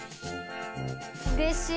うれしい。